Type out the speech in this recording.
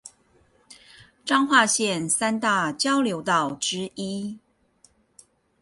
彰化縣三大交流道之一